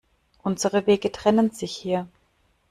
Unsere Wege trennen sich hier.